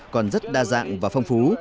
còn rất đa dạng và phong phú